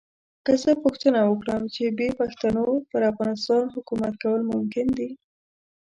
که زه پوښتنه وکړم چې بې پښتنو پر افغانستان حکومت کول ممکن دي.